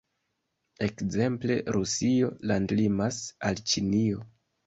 Ekzemple, Rusio landlimas al Ĉinio.